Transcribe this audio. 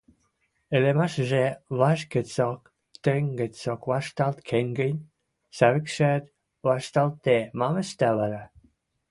Ӹлӹмӓшӹжӹ важ гӹцок, тӹнг гӹцок вашталт кен гӹнь, Савикшӓт вашталтде мам ӹштӓ вара?